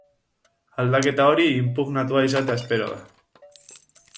Aldaketa hori inpugnatua izatea espero da.